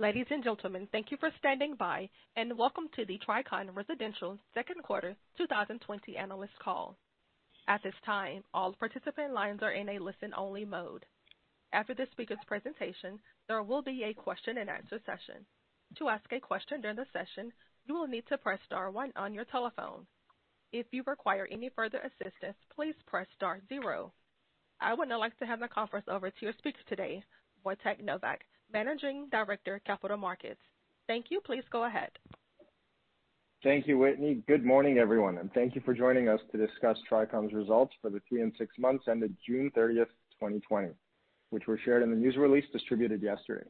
Ladies and gentlemen, thank you for standing by, and welcome to the Tricon Residential second quarter 2020 analyst call. At this time, all participant lines are in a listen-only mode. After the speaker's presentation, there will be a question and answer session. To ask a question during the session, you will need to press star one on your telephone. If you require any further assistance, please press star zero. I would now like to hand the conference over to your speaker today, Wojtek Nowak, Managing Director of Capital Markets. Thank you. Please go ahead. Thank you, Whitney. Good morning, everyone, and thank you for joining us to discuss Tricon's results for the three and six months ended June 30th, 2020, which were shared in the news release distributed yesterday.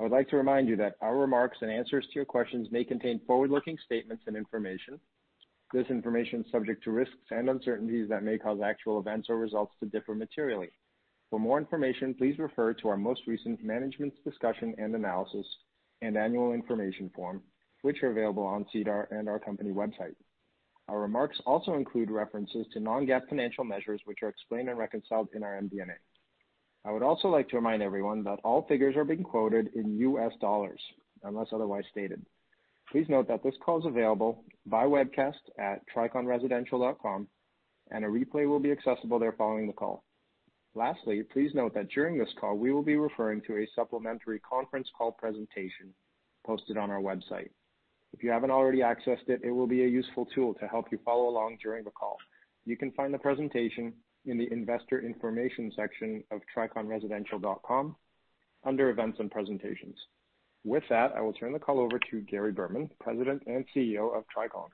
I would like to remind you that our remarks and answers to your questions may contain forward-looking statements and information. This information is subject to risks and uncertainties that may cause actual events or results to differ materially. For more information, please refer to our most recent Management's Discussion and Analysis and annual information form, which are available on SEDAR and our company website. Our remarks also include references to non-GAAP financial measures, which are explained and reconciled in our MD&A. I would also like to remind everyone that all figures are being quoted in US dollars, unless otherwise stated. Please note that this call is available by webcast at triconresidential.com, and a replay will be accessible there following the call. Lastly, please note that during this call, we will be referring to a supplementary conference call presentation posted on our website. If you haven't already accessed it will be a useful tool to help you follow along during the call. You can find the presentation in the investor information section of triconresidential.com under events and presentations. With that, I will turn the call over to Gary Berman, President and CEO of Tricon.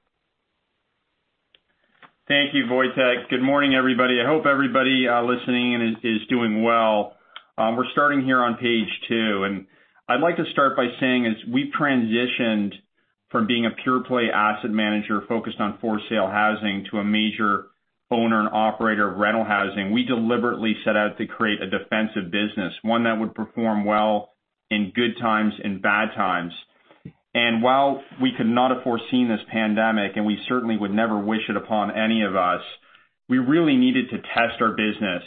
Thank you, Wojtek. Good morning, everybody. I hope everybody listening in is doing well. We're starting here on page two. I'd like to start by saying, as we transitioned from being a pure-play asset manager focused on for-sale housing to a major owner and operator of rental housing. We deliberately set out to create a defensive business, one that would perform well in good times and bad times. While we could not have foreseen this pandemic, and we certainly would never wish it upon any of us, we really needed to test our business,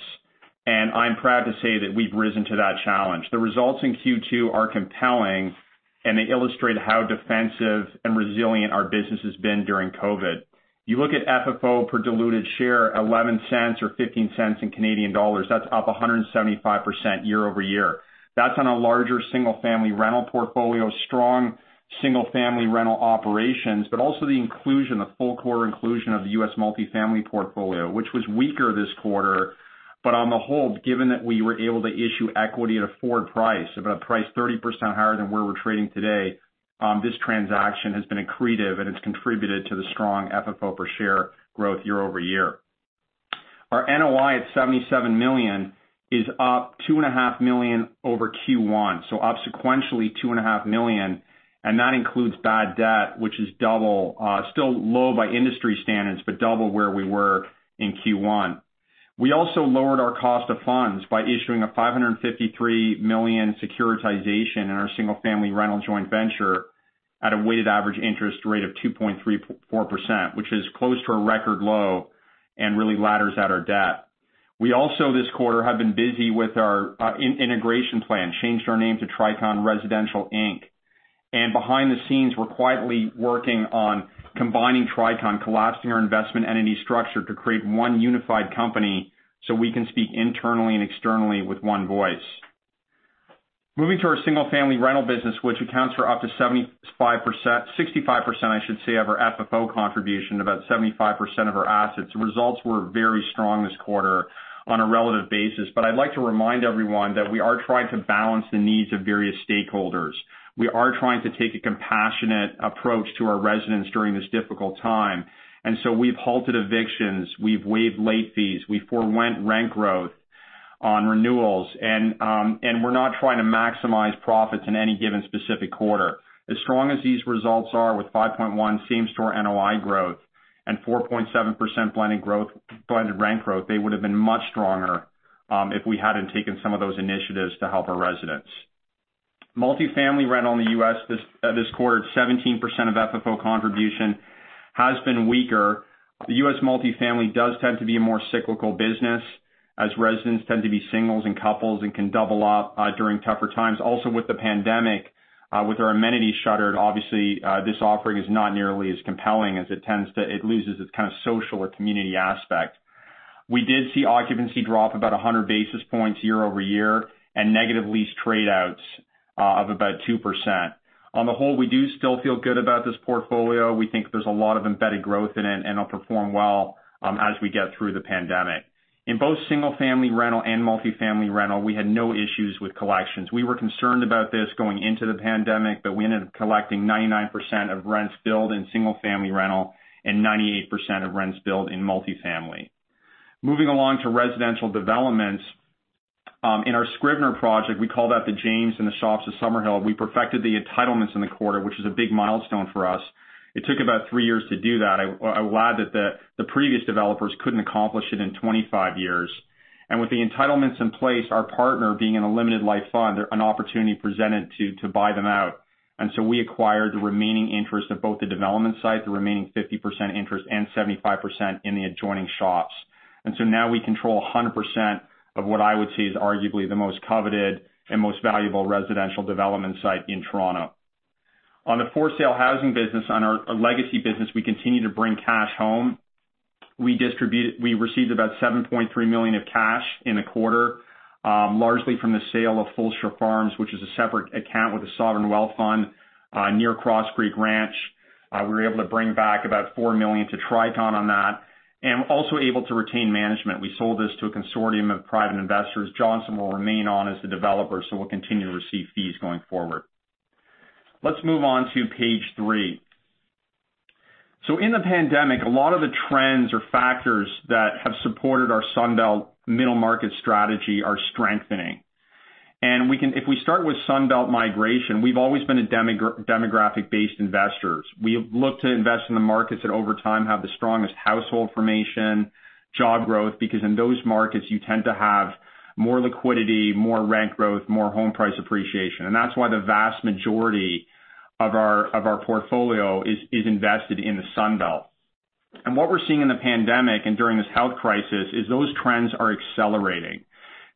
and I'm proud to say that we've risen to that challenge. The results in Q2 are compelling, and they illustrate how defensive and resilient our business has been during COVID. You look at FFO per diluted share, $0.11 or 0.15. That's up 175% year-over-year. That's on a larger single-family rental portfolio, strong single-family rental operations, but also the inclusion, the full core inclusion of the U.S. multifamily portfolio, which was weaker this quarter. On the whole, given that we were able to issue equity at a forward price, about a price 30% higher than where we're trading today, this transaction has been accretive, and it's contributed to the strong FFO per share growth year-over-year. Our NOI at $77 million is up $ two and a half million over Q1. Up sequentially $ two and a half million, and that includes bad debt, which is double. Still low by industry standards, double where we were in Q1. We also lowered our cost of funds by issuing a $553 million securitization in our single-family rental joint venture at a weighted average interest rate of 2.34%, which is close to a record low and really ladders out our debt. We also this quarter have been busy with our integration plan, changed our name to Tricon Residential Inc. Behind the scenes, we're quietly working on combining Tricon, collapsing our investment entity structure to create one unified company so we can speak internally and externally with one voice. Moving to our single-family rental business, which accounts for up to 75%, 65%, I should say, of our FFO contribution, about 75% of our assets. Results were very strong this quarter on a relative basis, but I'd like to remind everyone that we are trying to balance the needs of various stakeholders. We are trying to take a compassionate approach to our residents during this difficult time. We've halted evictions, we've waived late fees, we forewent rent growth on renewals, and we're not trying to maximize profits in any given specific quarter. As strong as these results are with 5.1 same store NOI growth and 4.7% blended rent growth, they would have been much stronger if we hadn't taken some of those initiatives to help our residents. Multifamily rental in the U.S. this quarter, 17% of FFO contribution has been weaker. The U.S. multifamily does tend to be a more cyclical business as residents tend to be singles and couples and can double up during tougher times. Also with the pandemic, with our amenities shuttered, obviously, this offering is not nearly as compelling. It loses its kind of social or community aspect. We did see occupancy drop about 100 basis points year-over-year and negative lease trade outs of about 2%. On the whole, we do still feel good about this portfolio. We think there's a lot of embedded growth in it and it'll perform well as we get through the pandemic. In both single-family rental and multifamily rental, we had no issues with collections. We ended up collecting 99% of rents billed in single-family rental and 98% of rents billed in multifamily. Moving along to residential developments. In our Scrivener project, we call that The James and the Shops of Summerhill. We perfected the entitlements in the quarter, which is a big milestone for us. It took about three years to do that. I lied that the previous developers couldn't accomplish it in 25 years. With the entitlements in place, our partner being in a limited life fund, an opportunity presented to buy them out. We acquired the remaining interest of both the development site, the remaining 50% interest, and 75% in the adjoining shops. Now we control 100% of what I would say is arguably the most coveted and most valuable residential development site in Toronto. On the for sale housing business, on our legacy business, we continue to bring cash home. We received about 7.3 million of cash in the quarter, largely from the sale of Fulshear Farms, which is a separate account with the sovereign wealth fund, near Cross Creek Ranch. We were able to bring back about 4 million to Tricon on that, and also able to retain management. We sold this to a consortium of private investors. Johnson will remain on as the developer, we'll continue to receive fees going forward. Let's move on to page three. In the pandemic, a lot of the trends or factors that have supported our Sun Belt middle market strategy are strengthening. If we start with Sun Belt migration, we've always been a demographic-based investor. We look to invest in the markets that over time have the strongest household formation, job growth, because in those markets, you tend to have more liquidity, more rent growth, more home price appreciation. That's why the vast majority of our portfolio is invested in the Sun Belt. What we're seeing in the pandemic and during this health crisis is those trends are accelerating.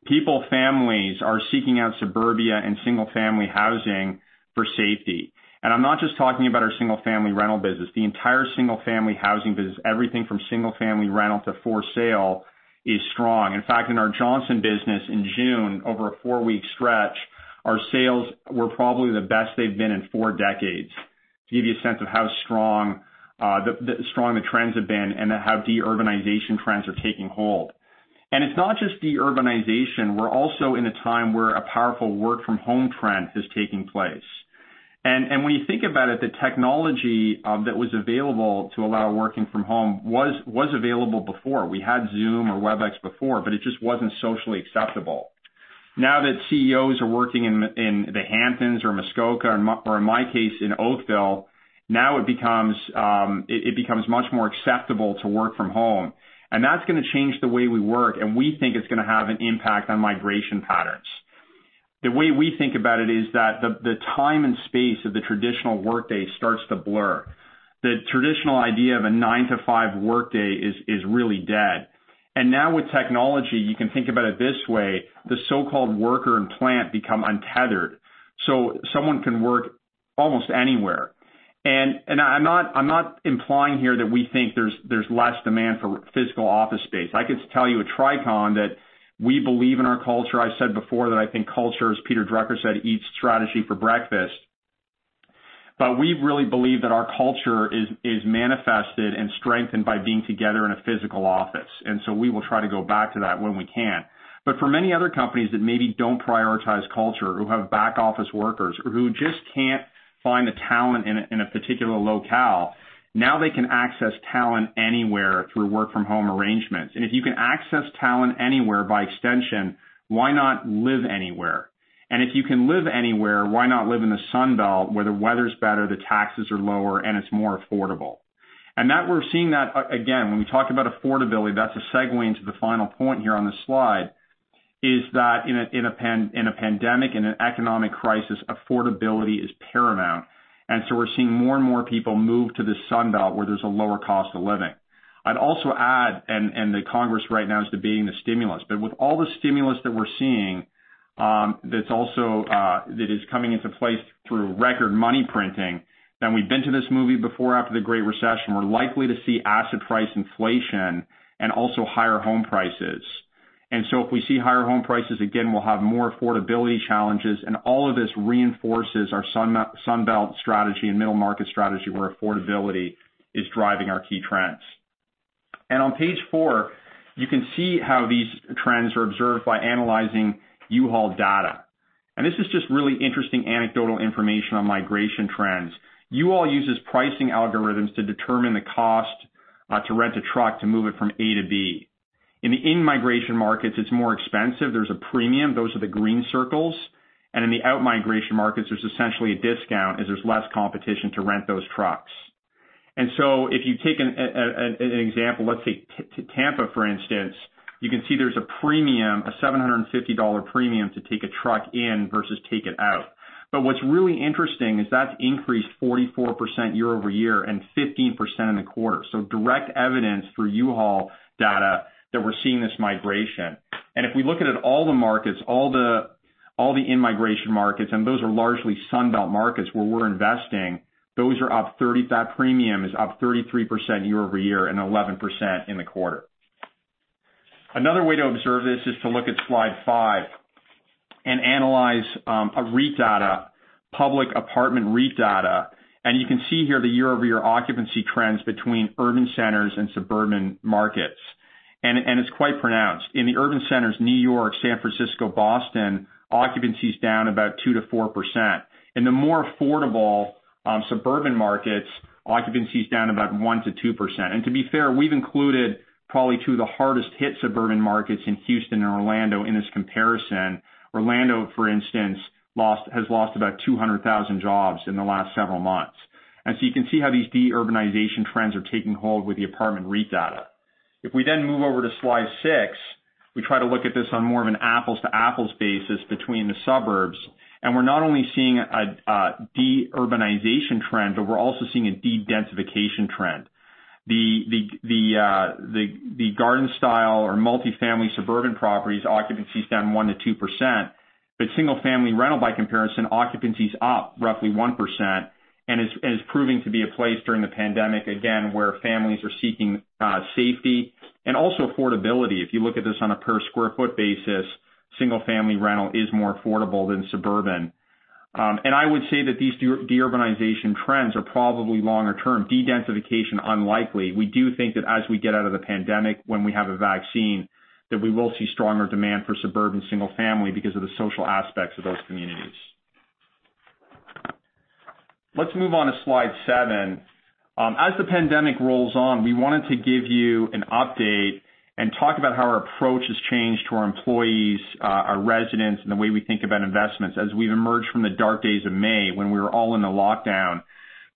People, families are seeking out suburbia and single-family housing for safety. I'm not just talking about our single-family rental business. The entire single-family housing business, everything from single-family rental to for sale, is strong. In fact, in our Johnson business in June, over a four-week stretch, our sales were probably the best they've been in four decades. To give you a sense of how strong the trends have been and how deurbanization trends are taking hold. It's not just deurbanization. We're also in a time where a powerful work from home trend is taking place. When you think about it, the technology that was available to allow working from home was available before. We had Zoom or Webex before, but it just wasn't socially acceptable. Now that CEOs are working in the Hamptons or Muskoka or in my case, in Oakville, now it becomes much more acceptable to work from home. That's going to change the way we work, and we think it's going to have an impact on migration patterns. The way we think about it is that the time and space of the traditional workday starts to blur. The traditional idea of a nine to five workday is really dead. Now with technology, you can think about it this way, the so-called worker and place become untethered. Someone can work almost anywhere. I'm not implying here that we think there's less demand for physical office space. I could tell you at Tricon that we believe in our culture. I said before that I think culture, as Peter Drucker said, eats strategy for breakfast. We really believe that our culture is manifested and strengthened by being together in a physical office. We will try to go back to that when we can. For many other companies that maybe don't prioritize culture, who have back office workers or who just can't find the talent in a particular locale, now they can access talent anywhere through work from home arrangements. If you can access talent anywhere by extension, why not live anywhere? If you can live anywhere, why not live in the Sun Belt where the weather's better, the taxes are lower, and it's more affordable? That we're seeing that again, when we talk about affordability, that's a segue into the final point here on this slide, is that in a pandemic, in an economic crisis, affordability is paramount. We're seeing more and more people move to the Sun Belt where there's a lower cost of living. I'd also add, the Congress right now is debating the stimulus, but with all the stimulus that we're seeing, that is coming into place through record money printing, and we've been to this movie before after the Great Recession. We're likely to see asset price inflation and also higher home prices. If we see higher home prices, again, we'll have more affordability challenges, and all of this reinforces our Sun Belt strategy and middle market strategy where affordability is driving our key trends. On page four, you can see how these trends are observed by analyzing U-Haul data. This is just really interesting anecdotal information on migration trends. U-Haul uses pricing algorithms to determine the cost to rent a truck to move it from A to B. In the in-migration markets, it's more expensive. There's a premium. Those are the green circles. In the out-migration markets, there's essentially a discount as there's less competition to rent those trucks. If you take an example, let's say Tampa, for instance, you can see there's a premium, a $750 premium to take a truck in versus take it out. What's really interesting is that's increased 44% year-over-year and 15% in the quarter. Direct evidence through U-Haul data that we're seeing this migration. If we look at all the markets, all the in-migration markets, and those are largely Sun Belt markets where we're investing, that premium is up 33% year-over-year and 11% in the quarter. Another way to observe this is to look at slide five and analyze, REIT data, public apartment REIT data. You can see here the year-over-year occupancy trends between urban centers and suburban markets. It's quite pronounced. In the urban centers, New York, San Francisco, Boston, occupancy is down about 2%-4%. In the more affordable suburban markets, occupancy is down about 1%-2%. To be fair, we've included probably two of the hardest hit suburban markets in Houston and Orlando in this comparison. Orlando, for instance, has lost about 200,000 jobs in the last several months. You can see how these deurbanization trends are taking hold with the apartment REIT data. If we move over to slide six. We try to look at this on more of an apples to apples basis between the suburbs. We're not only seeing a de-urbanization trend, but we're also seeing a de-densification trend. The garden style or multi-family suburban properties occupancy is down 1%-2%. Single-family rental by comparison, occupancy is up roughly 1% and is proving to be a place during the pandemic, again, where families are seeking safety and also affordability. If you look at this on a per square foot basis, single-family rental is more affordable than suburban. I would say that these de-urbanization trends are probably longer term, de-densification unlikely. We do think that as we get out of the pandemic, when we have a vaccine, that we will see stronger demand for suburban single-family because of the social aspects of those communities. Let's move on to slide seven. As the pandemic rolls on, we wanted to give you an update and talk about how our approach has changed to our employees, our residents, and the way we think about investments as we've emerged from the dark days of May, when we were all in a lockdown,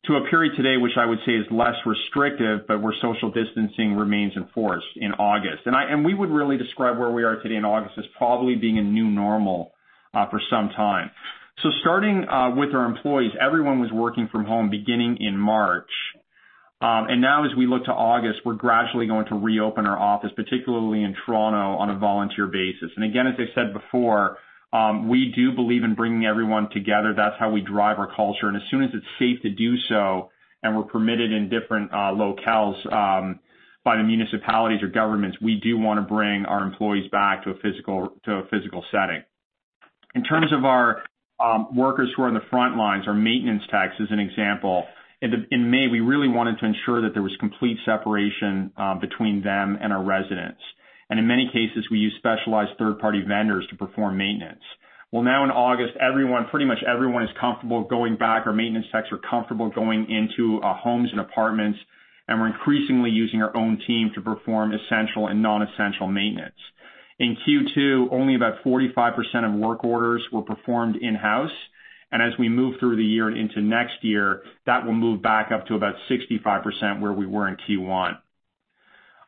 to a period today, which I would say is less restrictive, but where social distancing remains in force in August. We would really describe where we are today in August as probably being a new normal for some time. Starting with our employees, everyone was working from home beginning in March. Now as we look to August, we're gradually going to reopen our office, particularly in Toronto, on a volunteer basis. Again, as I said before, we do believe in bringing everyone together. That's how we drive our culture. As soon as it's safe to do so and we're permitted in different locales by the municipalities or governments, we do want to bring our employees back to a physical setting. In terms of our workers who are on the front lines, our maintenance techs as an example, in May, we really wanted to ensure that there was complete separation between them and our residents. In many cases, we used specialized third-party vendors to perform maintenance. Now in August, pretty much everyone is comfortable going back. Our maintenance techs are comfortable going into homes and apartments, and we're increasingly using our own team to perform essential and non-essential maintenance. In Q2, only about 45% of work orders were performed in-house. As we move through the year and into next year, that will move back up to about 65% where we were in Q1.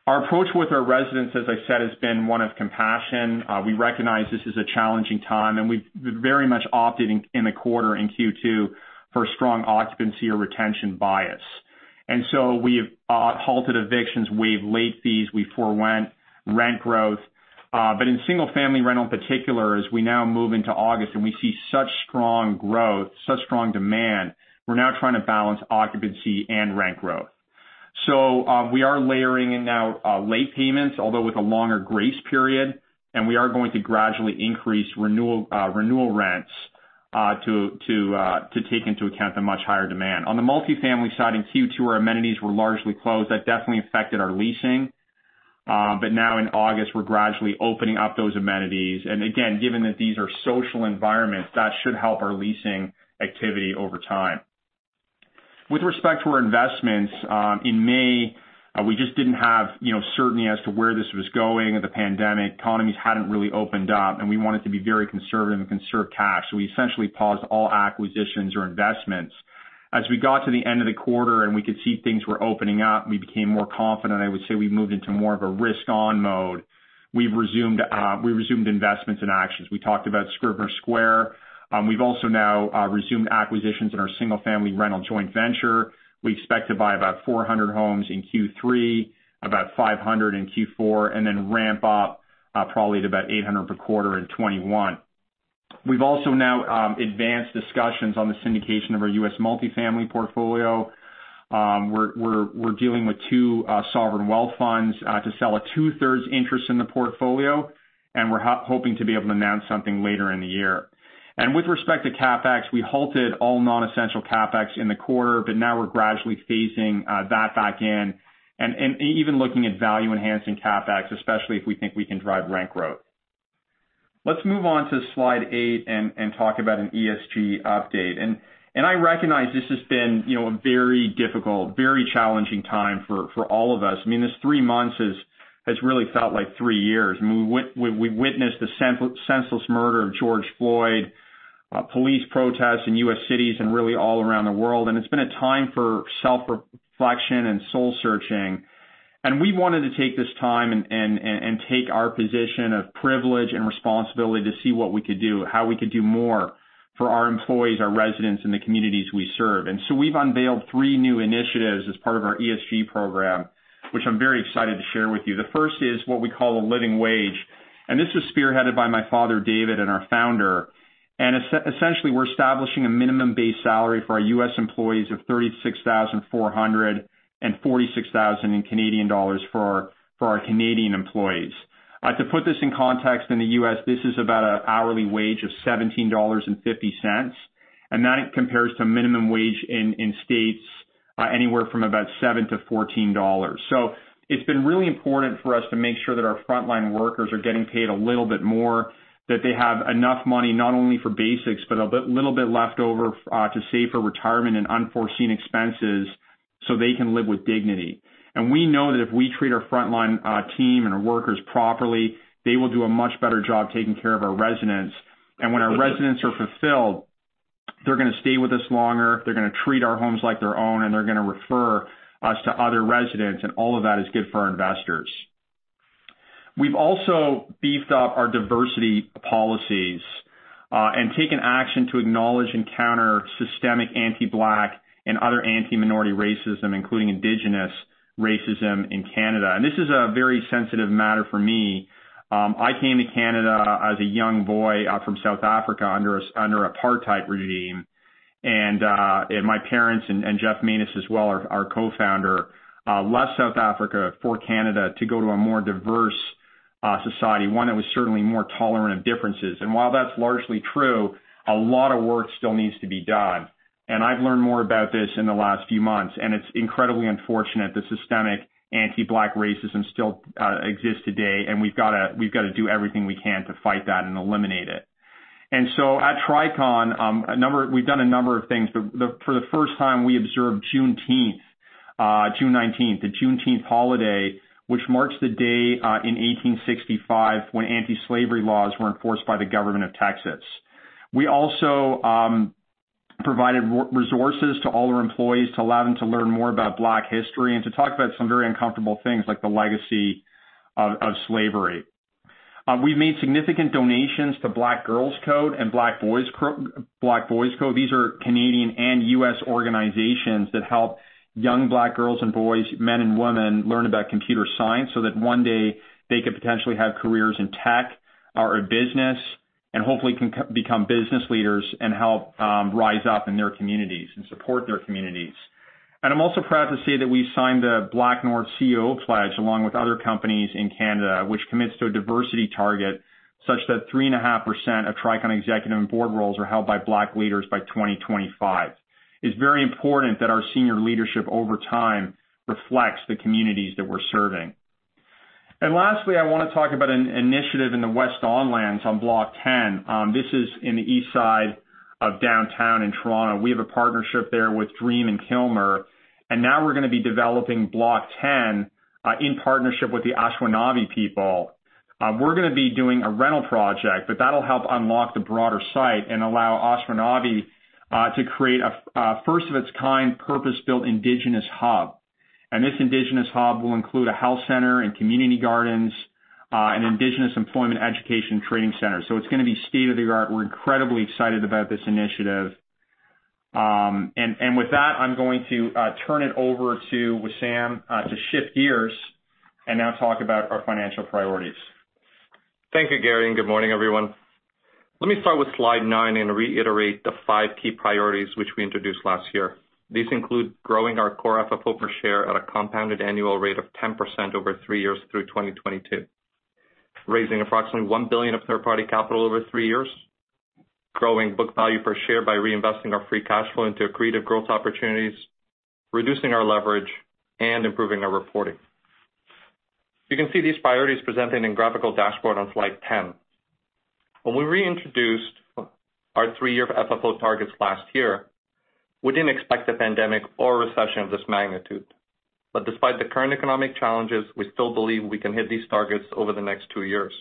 Our approach with our residents, as I said, has been one of compassion. We recognize this is a challenging time, and we've very much opted in the quarter in Q2 for a strong occupancy or retention bias. We've halted evictions, waived late fees, we forewent rent growth. In single-family rental in particular, as we now move into August and we see such strong growth, such strong demand, we're now trying to balance occupancy and rent growth. We are layering in now late payments, although with a longer grace period, and we are going to gradually increase renewal rents to take into account the much higher demand. On the multi-family side in Q2, our amenities were largely closed. That definitely affected our leasing. Now in August, we're gradually opening up those amenities. Given that these are social environments, that should help our leasing activity over time. With respect to our investments, in May we just didn't have certainty as to where this was going with the pandemic. Economies hadn't really opened up, and we wanted to be very conservative and conserve cash. We essentially paused all acquisitions or investments. As we got to the end of the quarter and we could see things were opening up, we became more confident. I would say we moved into more of a risk on mode. We resumed investments and actions. We talked about Scrivener Square. We've also now resumed acquisitions in our single family rental joint venture. We expect to buy about 400 homes in Q3, about 500 in Q4, and then ramp up probably to about 800 per quarter in 2021. We've also now advanced discussions on the syndication of our U.S. multifamily portfolio. We're dealing with two sovereign wealth funds to sell a two-thirds interest in the portfolio, and we're hoping to be able to announce something later in the year. With respect to CapEx, we halted all non-essential CapEx in the quarter, but now we're gradually phasing that back in and even looking at value enhancing CapEx, especially if we think we can drive rent growth. Let's move on to slide eight and talk about an ESG update. I recognize this has been a very difficult, very challenging time for all of us. This three months has really felt like three years. We witnessed the senseless murder of George Floyd, police protests in U.S. cities and really all around the world. It's been a time for self-reflection and soul searching. We wanted to take this time and take our position of privilege and responsibility to see what we could do, how we could do more for our employees, our residents, and the communities we serve. We've unveiled three new initiatives as part of our ESG program, which I'm very excited to share with you. The first is what we call a living wage, and this is spearheaded by my father, David, and our founder. Essentially, we're establishing a minimum base salary for our U.S. employees of $36,400 and CAD 46,000 for our Canadian employees. To put this in context in the U.S., this is about an hourly wage of $17.50, and that compares to minimum wage in states anywhere from about $7-$14. It's been really important for us to make sure that our frontline workers are getting paid a little bit more, that they have enough money not only for basics, but a little bit left over to save for retirement and unforeseen expenses so they can live with dignity. We know that if we treat our frontline team and our workers properly, they will do a much better job taking care of our residents. When our residents are fulfilled. They're going to stay with us longer, they're going to treat our homes like their own, and they're going to refer us to other residents, and all of that is good for our investors. We've also beefed up our diversity policies, and taken action to acknowledge and counter systemic anti-Black and other anti-minority racism, including Indigenous racism in Canada. This is a very sensitive matter for me. I came to Canada as a young boy from South Africa under apartheid regime. My parents and Geoff Matus as well, our co-founder, left South Africa for Canada to go to a more diverse society, one that was certainly more tolerant of differences. While that's largely true, a lot of work still needs to be done. I've learned more about this in the last few months, and it's incredibly unfortunate that systemic anti-Black racism still exists today. We've got to do everything we can to fight that and eliminate it. At Tricon, we've done a number of things. For the first time, we observed Juneteenth, June 19th, the Juneteenth holiday, which marks the day in 1865 when anti-slavery laws were enforced by the government of Texas. We also provided resources to all our employees to allow them to learn more about Black history and to talk about some very uncomfortable things like the legacy of slavery. We've made significant donations to Black Girls Code and Black Boys Code. These are Canadian and U.S. organizations that help young Black girls and boys, men and women learn about computer science, so that one day they could potentially have careers in tech or in business, and hopefully can become business leaders and help rise up in their communities and support their communities. I'm also proud to say that we signed the BlackNorth CEO Pledge along with other companies in Canada, which commits to a diversity target such that 3.5% of Tricon executive and board roles are held by Black leaders by 2025. It's very important that our senior leadership over time reflects the communities that we're serving. Lastly, I want to talk about an initiative in the West Don Lands on Block 10. This is in the east side of downtown in Toronto. We have a partnership there with Dream and Kilmer, and now we're going to be developing Block 10, in partnership with the Anishinaabe people. We're going to be doing a rental project, but that'll help unlock the broader site and allow Anishinaabe to create a first of its kind purpose-built indigenous hub. This indigenous hub will include a health center and community gardens, an indigenous employment education training center. It's going to be state-of-the-art. We're incredibly excited about this initiative. With that, I'm going to turn it over to Wissam to shift gears and now talk about our financial priorities. Thank you, Gary, and good morning, everyone. Let me start with slide nine and reiterate the five key priorities which we introduced last year. These include growing our core FFO per share at a compounded annual rate of 10% over three years through 2022. Raising approximately $1 billion of third-party capital over three years. Growing book value per share by reinvesting our free cash flow into accretive growth opportunities. Reducing our leverage and improving our reporting. You can see these priorities presented in graphical dashboard on slide 10. When we reintroduced our three-year FFO targets last year, we didn't expect a pandemic or a recession of this magnitude. But despite the current economic challenges, we still believe we can hit these targets over the next two years.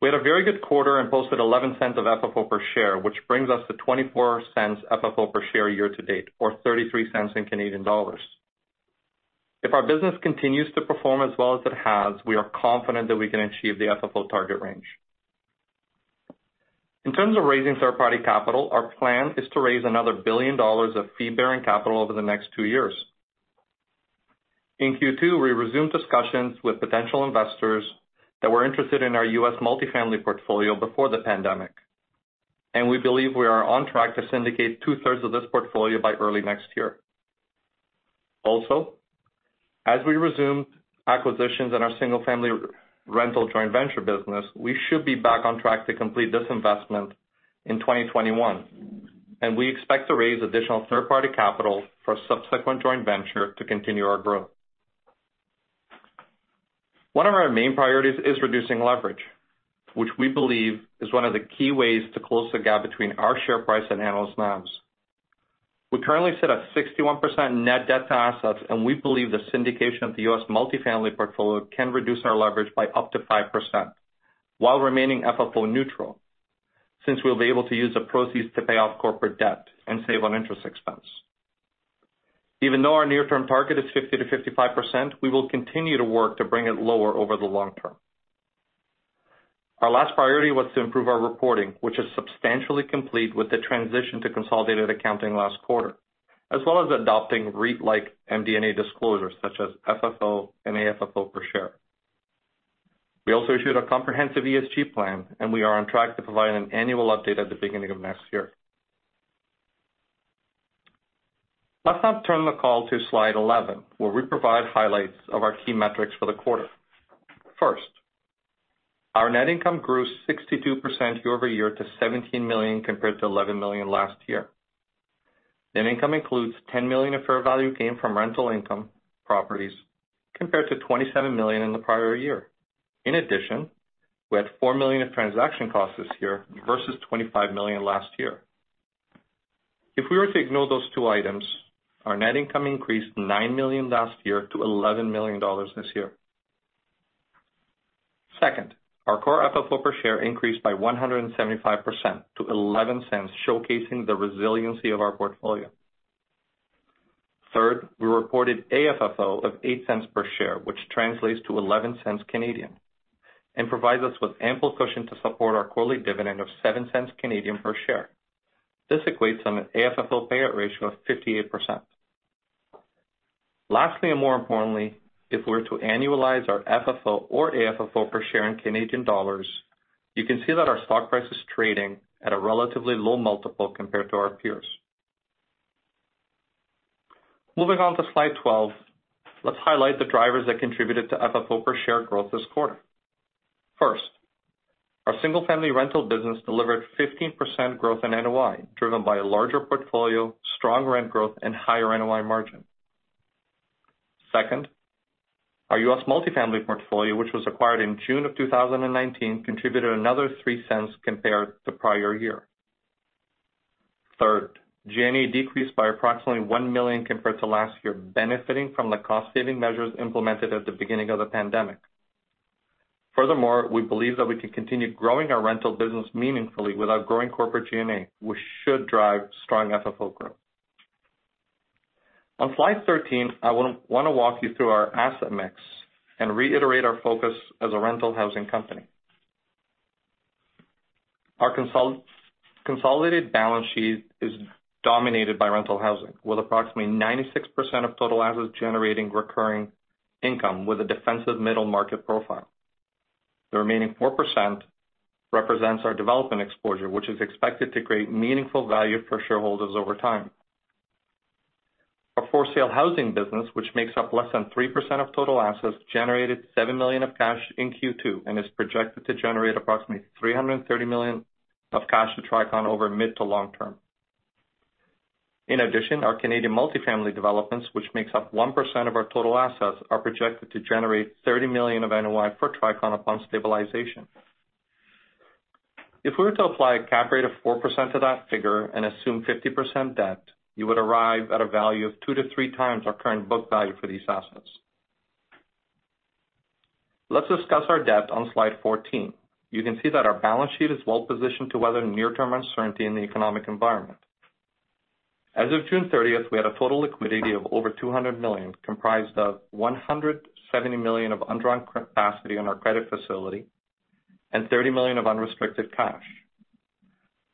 We had a very good quarter and posted $0.11 of FFO per share, which brings us to $0.24 FFO per share year to date, or 0.33. If our business continues to perform as well as it has, we are confident that we can achieve the FFO target range. In terms of raising third-party capital, our plan is to raise another $1 billion of fee-bearing capital over the next two years. In Q2, we resumed discussions with potential investors that were interested in our U.S. multifamily portfolio before the pandemic, and we believe we are on track to syndicate two-thirds of this portfolio by early next year. As we resume acquisitions in our single-family rental joint venture business, we should be back on track to complete this investment in 2021, and we expect to raise additional third-party capital for subsequent joint venture to continue our growth. One of our main priorities is reducing leverage, which we believe is one of the key ways to close the gap between our share price and analyst NAVs. We currently sit at 61% net debt to assets, and we believe the syndication of the U.S. multifamily portfolio can reduce our leverage by up to 5% while remaining FFO neutral, since we'll be able to use the proceeds to pay off corporate debt and save on interest expense. Our near-term target is 50%-55%, we will continue to work to bring it lower over the long term. Our last priority was to improve our reporting, which is substantially complete with the transition to consolidated accounting last quarter, as well as adopting REIT-like MD&A disclosures such as FFO and AFFO per share. We also issued a comprehensive ESG plan, and we are on track to provide an annual update at the beginning of next year. Let's now turn the call to slide 11, where we provide highlights of our key metrics for the quarter. First, our net income grew 62% year-over-year to $17 million, compared to $11 million last year. Net income includes $10 million of fair value gain from rental income properties, compared to $27 million in the prior year. In addition, we had $4 million of transaction costs this year versus $25 million last year. If we were to ignore those two items, our net income increased $9 million last year to $11 million this year. Second, our core FFO per share increased by 175% to $0.11, showcasing the resiliency of our portfolio. Third, we reported AFFO of $0.08 per share, which translates to 0.11 and provides us with ample cushion to support our quarterly dividend of 0.07 per share. This equates to an AFFO payout ratio of 58%. Lastly, more importantly, if we were to annualize our FFO or AFFO per share in Canadian dollars, you can see that our stock price is trading at a relatively low multiple compared to our peers. Moving on to slide 12, let's highlight the drivers that contributed to FFO per share growth this quarter. First, our single-family rental business delivered 15% growth in NOI, driven by a larger portfolio, strong rent growth, and higher NOI margin. Second, our U.S. multi-family portfolio, which was acquired in June of 2019, contributed another $0.03 compared to prior year. Third, G&A decreased by approximately $1 million compared to last year, benefiting from the cost-saving measures implemented at the beginning of the pandemic. Furthermore, we believe that we can continue growing our rental business meaningfully without growing corporate G&A, which should drive strong FFO growth. On slide 13, I want to walk you through our asset mix and reiterate our focus as a rental housing company. Our consolidated balance sheet is dominated by rental housing, with approximately 96% of total assets generating recurring income with a defensive middle-market profile. The remaining 4% represents our development exposure, which is expected to create meaningful value for shareholders over time. Our for-sale housing business, which makes up less than 3% of total assets, generated $7 million of cash in Q2 and is projected to generate approximately $330 million of cash to Tricon over mid to long term. In addition, our Canadian multifamily developments, which makes up 1% of our total assets, are projected to generate $30 million of NOI for Tricon upon stabilization. If we were to apply a cap rate of 4% to that figure and assume 50% debt, you would arrive at a value of two to three times our current book value for these assets. Let's discuss our debt on slide 14. You can see that our balance sheet is well positioned to weather near-term uncertainty in the economic environment. As of June 30th, we had a total liquidity of over $200 million, comprised of $170 million of undrawn capacity on our credit facility and $30 million of unrestricted cash.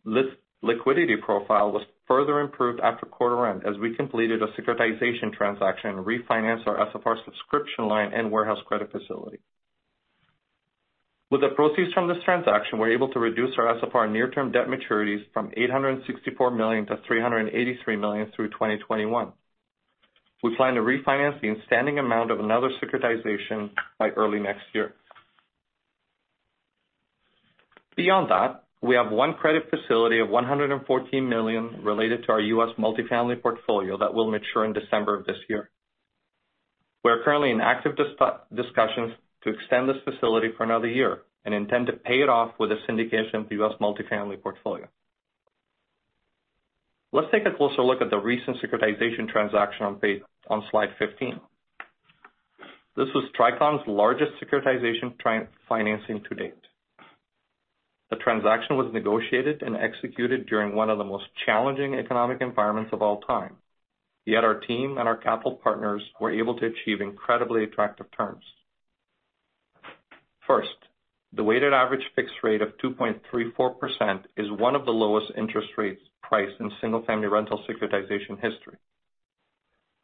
This liquidity profile was further improved after quarter end as we completed a securitization transaction to refinance our SFR subscription line and warehouse credit facility. With the proceeds from this transaction, we're able to reduce our SFR and near-term debt maturities from $864 million-$383 million through 2021. We plan to refinance the outstanding amount of another securitization by early next year. Beyond that, we have one credit facility of $114 million related to our U.S. multifamily portfolio that will mature in December of this year. We are currently in active discussions to extend this facility for another year and intend to pay it off with a syndication of the U.S. multifamily portfolio. Let's take a closer look at the recent securitization transaction on slide 15. This was Tricon's largest securitization financing to date. The transaction was negotiated and executed during one of the most challenging economic environments of all time. Yet our team and our capital partners were able to achieve incredibly attractive terms. First, the weighted average fixed rate of 2.34% is one of the lowest interest rates priced in single-family rental securitization history.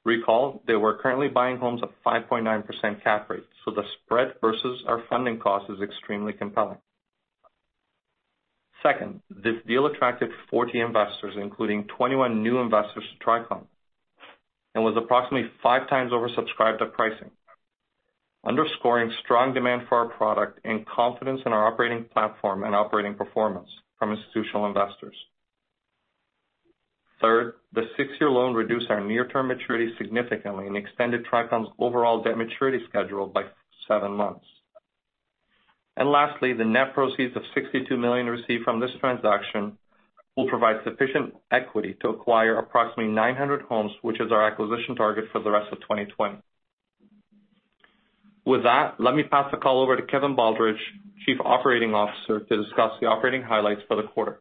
Recall that we're currently buying homes at 5.9% cap rate, so the spread versus our funding cost is extremely compelling. Second, this deal attracted 40 investors, including 21 new investors to Tricon, and was approximately five times oversubscribed at pricing, underscoring strong demand for our product and confidence in our operating platform and operating performance from institutional investors. Third, the six-year loan reduced our near-term maturity significantly and extended Tricon's overall debt maturity schedule by seven months. Lastly, the net proceeds of $62 million received from this transaction will provide sufficient equity to acquire approximately 900 homes, which is our acquisition target for the rest of 2020. With that, let me pass the call over to Kevin Baldridge, Chief Operating Officer, to discuss the operating highlights for the quarter.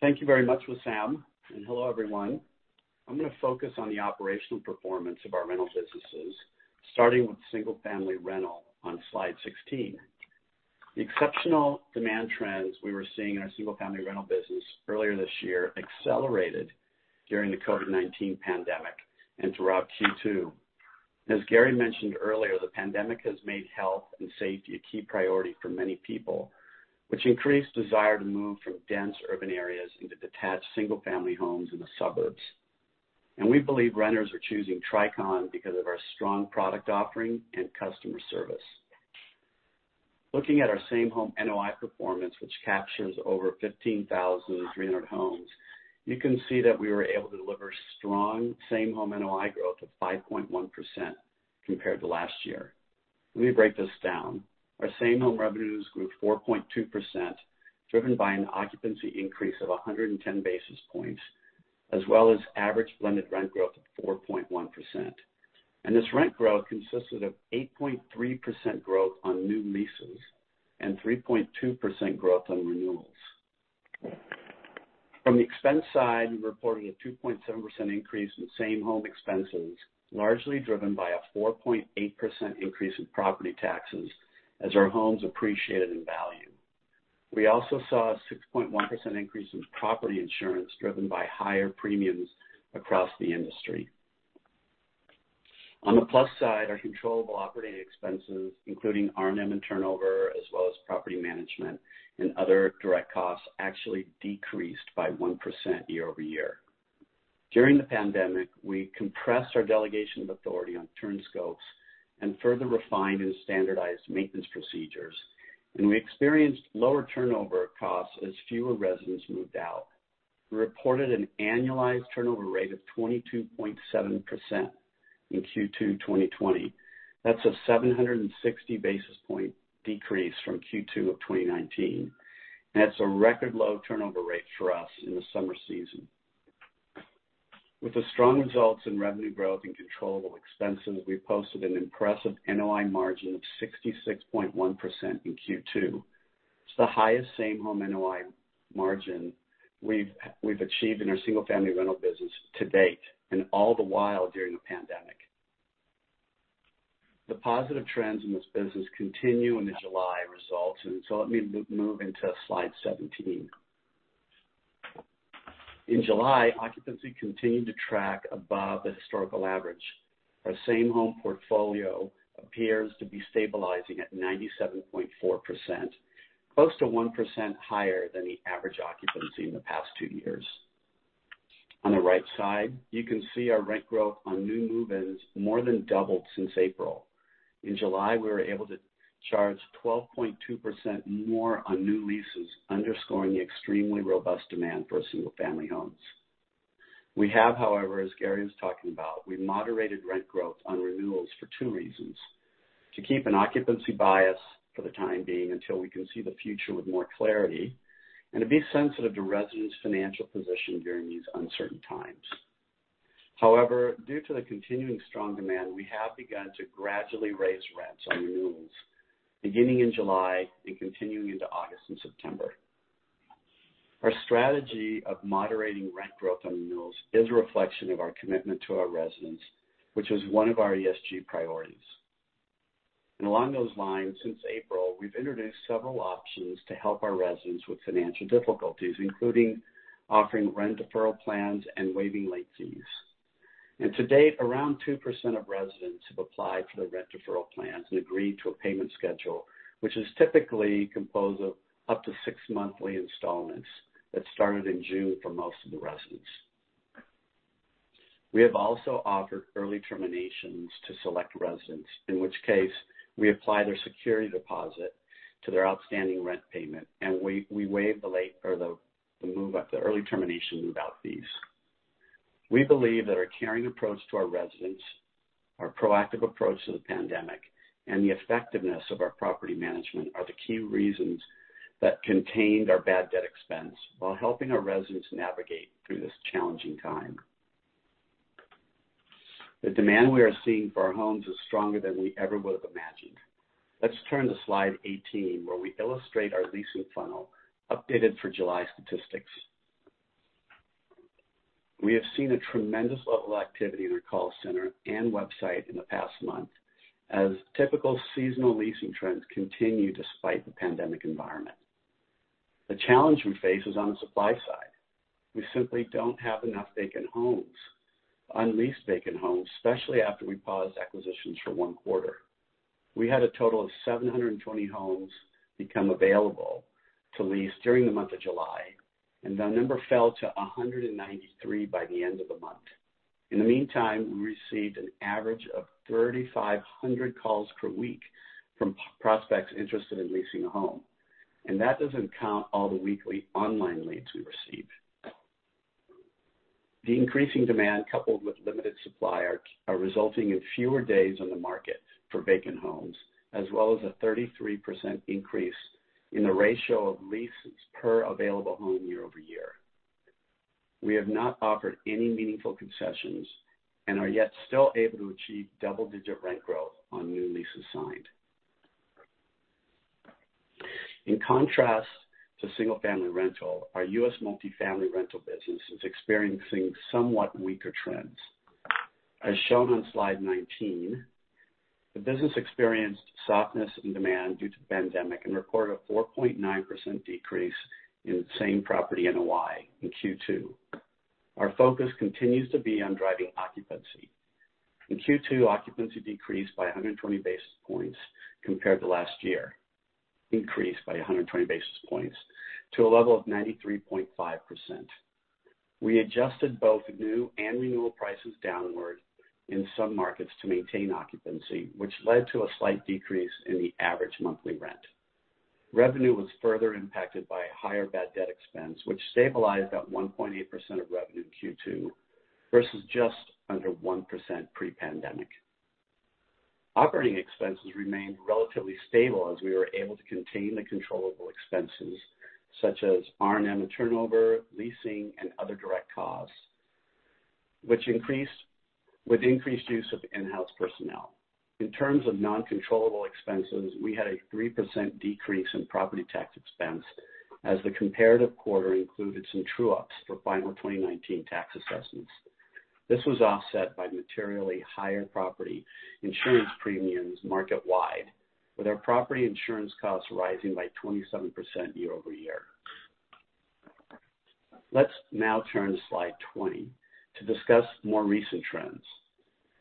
Thank you very much, Wissam, and hello, everyone. I'm going to focus on the operational performance of our rental businesses, starting with single-family rental on slide 16. The exceptional demand trends we were seeing in our single-family rental business earlier this year accelerated during the COVID-19 pandemic and throughout Q2. As Gary mentioned earlier, the pandemic has made health and safety a key priority for many people, which increased desire to move from dense urban areas into detached single-family homes in the suburbs. We believe renters are choosing Tricon because of our strong product offering and customer service. Looking at our same home NOI performance, which captures over 15,300 homes, you can see that we were able to deliver strong same home NOI growth of 5.1% compared to last year. Let me break this down. Our same home revenues grew 4.2%, driven by an occupancy increase of 110 basis points, as well as average blended rent growth of 4.1%. This rent growth consisted of 8.3% growth on new leases and 3.2% growth on renewals. From the expense side, we reported a 2.7% increase in same home expenses, largely driven by a 4.8% increase in property taxes as our homes appreciated in value. We also saw a 6.1% increase in property insurance, driven by higher premiums across the industry. On the plus side, our controllable operating expenses, including R&M and turnover, as well as property management and other direct costs, actually decreased by 1% year-over-year. During the pandemic, we compressed our delegation of authority on turn scopes and further refined and standardized maintenance procedures, and we experienced lower turnover costs as fewer residents moved out. We reported an annualized turnover rate of 22.7% in Q2 2020. That's a 760 basis point decrease from Q2 of 2019. It's a record low turnover rate for us in the summer season. With the strong results in revenue growth and controllable expenses, we posted an impressive NOI margin of 66.1% in Q2. It's the highest same home NOI margin we've achieved in our single-family rental business to date. All the while during the pandemic. The positive trends in this business continue in the July results. Let me move into slide 17. In July, occupancy continued to track above the historical average. Our same home portfolio appears to be stabilizing at 97.4%, close to 1% higher than the average occupancy in the past two years. On the right side, you can see our rent growth on new move-ins more than doubled since April. In July, we were able to charge 12.2% more on new leases, underscoring the extremely robust demand for our single-family homes. We have, however, as Gary was talking about, we moderated rent growth on renewals for two reasons: to keep an occupancy bias for the time being until we can see the future with more clarity, and to be sensitive to residents' financial position during these uncertain times. Due to the continuing strong demand, we have begun to gradually raise rents on renewals, beginning in July and continuing into August and September. Our strategy of moderating rent growth on renewals is a reflection of our commitment to our residents, which is one of our ESG priorities. Along those lines, since April, we've introduced several options to help our residents with financial difficulties, including offering rent deferral plans and waiving late fees. To date, around 2% of residents have applied for the rent deferral plans and agreed to a payment schedule, which is typically composed of up to six monthly installments that started in June for most of the residents. We have also offered early terminations to select residents, in which case we apply their security deposit to their outstanding rent payment, and we waive the early termination move-out fees. We believe that our caring approach to our residents, our proactive approach to the pandemic, and the effectiveness of our property management are the key reasons that contained our bad debt expense while helping our residents navigate through this challenging time. The demand we are seeing for our homes is stronger than we ever would have imagined. Let's turn to slide 18, where we illustrate our leasing funnel, updated for July statistics. We have seen a tremendous level of activity in our call center and website in the past month, as typical seasonal leasing trends continue despite the pandemic environment. The challenge we face is on the supply side. We simply don't have enough vacant homes, unleased vacant homes, especially after we paused acquisitions for one quarter. We had a total of 720 homes become available to lease during the month of July, and that number fell to 193 by the end of the month. In the meantime, we received an average of 3,500 calls per week from prospects interested in leasing a home. That doesn't count all the weekly online leads we received. The increasing demand, coupled with limited supply, are resulting in fewer days on the market for vacant homes, as well as a 33% increase in the ratio of leases per available home year-over-year. We have not offered any meaningful concessions and are yet still able to achieve double-digit rent growth on new leases signed. In contrast to single-family rental, our U.S. multi-family rental business is experiencing somewhat weaker trends. As shown on slide 19, the business experienced softness in demand due to the pandemic and reported a 4.9% decrease in same property NOI in Q2. Our focus continues to be on driving occupancy. In Q2, occupancy increased by 120 basis points to a level of 93.5%. We adjusted both new and renewal prices downward in some markets to maintain occupancy, which led to a slight decrease in the average monthly rent. Revenue was further impacted by a higher bad debt expense, which stabilized at 1.8% of revenue in Q2, versus just under 1% pre-pandemic. Operating expenses remained relatively stable as we were able to contain the controllable expenses such as R&M turnover, leasing, and other direct costs, which increased with increased use of in-house personnel. In terms of non-controllable expenses, we had a 3% decrease in property tax expense as the comparative quarter included some true-ups for final 2019 tax assessments. This was offset by materially higher property insurance premiums market-wide, with our property insurance costs rising by 27% year-over-year. Let's now turn to slide 20 to discuss more recent trends.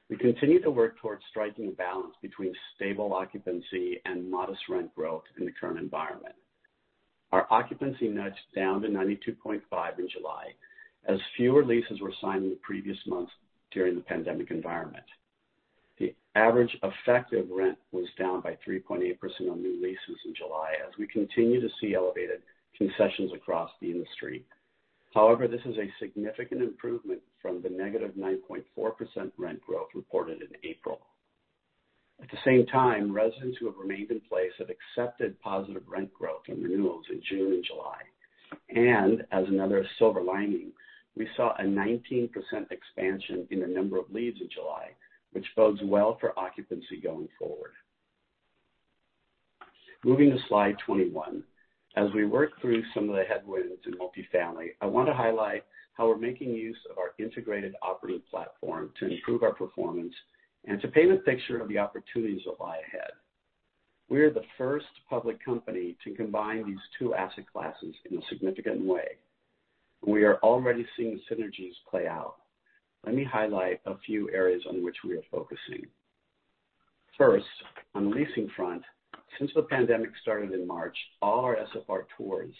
We continue to work towards striking a balance between stable occupancy and modest rent growth in the current environment. Our occupancy nudged down to 92.5% in July, as fewer leases were signed in the previous months during the pandemic environment. The average effective rent was down by 3.8% on new leases in July as we continue to see elevated concessions across the industry. This is a significant improvement from the negative 9.4% rent growth reported in April. At the same time, residents who have remained in place have accepted positive rent growth and renewals in June and July. As another silver lining, we saw a 19% expansion in the number of leads in July, which bodes well for occupancy going forward. Moving to slide 21. As we work through some of the headwinds in multi-family, I want to highlight how we're making use of our integrated operating platform to improve our performance and to paint a picture of the opportunities that lie ahead. We are the first public company to combine these two asset classes in a significant way. We are already seeing synergies play out. Let me highlight a few areas on which we are focusing. First, on the leasing front, since the pandemic started in March, all our SFR tours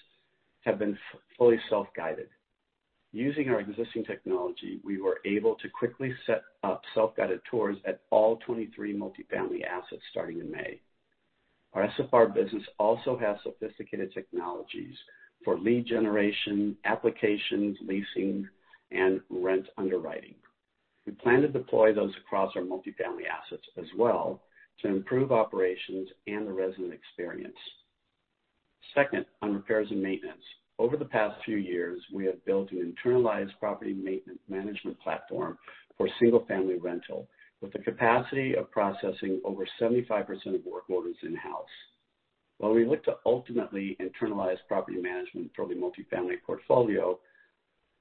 have been fully self-guided. Using our existing technology, we were able to quickly set up self-guided tours at all 23 multifamily assets starting in May. Our SFR business also has sophisticated technologies for lead generation, applications, leasing, and rent underwriting. We plan to deploy those across our multifamily assets as well to improve operations and the resident experience. Second, on repairs and maintenance. Over the past few years, we have built an internalized property maintenance management platform for single-family rental with the capacity of processing over 75% of work orders in-house. While we look to ultimately internalize property management for the multifamily portfolio,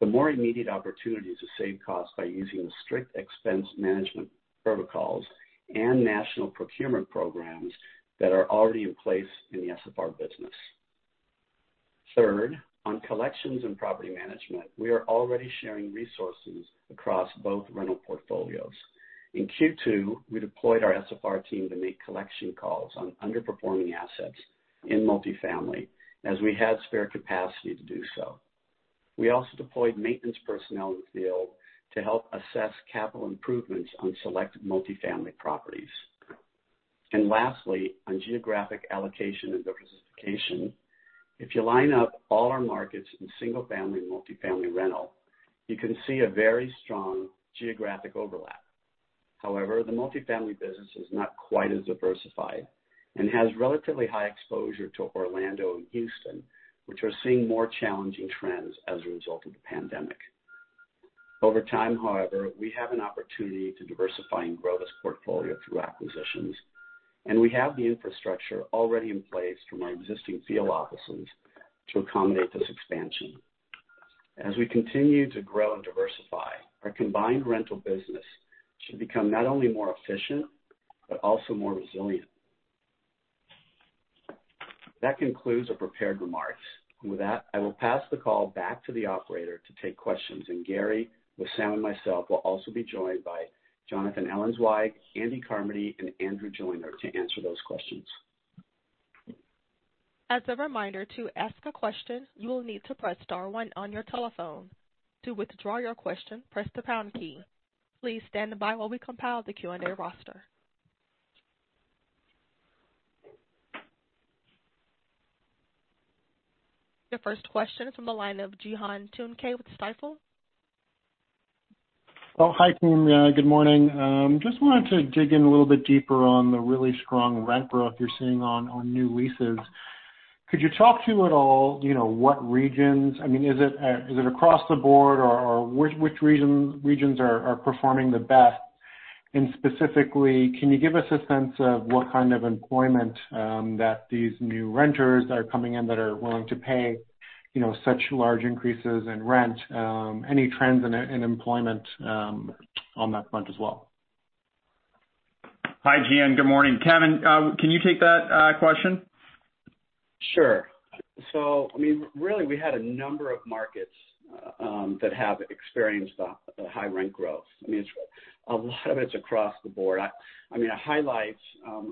the more immediate opportunity is to save costs by using the strict expense management protocols and national procurement programs that are already in place in the SFR business. Third, on collections and property management, we are already sharing resources across both rental portfolios. In Q2, we deployed our SFR team to make collection calls on underperforming assets in multifamily, as we had spare capacity to do so. We also deployed maintenance personnel in the field to help assess capital improvements on select multifamily properties. Lastly, on geographic allocation and diversification, if you line up all our markets in single family and multifamily rental, you can see a very strong geographic overlap. However, the multifamily business is not quite as diversified and has relatively high exposure to Orlando and Houston, which are seeing more challenging trends as a result of the pandemic. Over time, however, we have an opportunity to diversify and grow this portfolio through acquisitions, and we have the infrastructure already in place from our existing field offices to accommodate this expansion. As we continue to grow and diversify, our combined rental business should become not only more efficient but also more resilient. That concludes the prepared remarks. With that, I will pass the call back to the operator to take questions. Gary, with Wissam and myself, we'll also be joined by Jonathan Ellenzweig, Andy Carmody, and Andrew Joyner to answer those questions. As a reminder, to ask a question, you will need to press star 1 on your telephone. To withdraw your question, press the pound key. Please stand by while we compile the Q&A roster. Your first question is from the line of Cihan Tuncay with Stifel. Oh, hi, team. Good morning. Just wanted to dig in a little bit deeper on the really strong rent growth you're seeing on new leases. Could you talk to at all what regions? Is it across the board, or which regions are performing the best? Specifically, can you give us a sense of what kind of employment that these new renters that are coming in that are willing to pay such large increases in rent? Any trends in employment on that front as well? Hi, Cihan. Good morning. Kevin, can you take that question? Sure. Really, we had a number of markets that have experienced the high rent growth. A lot of it's across the board. To highlight